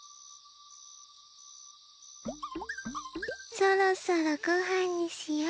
そろそろごはんにしよう。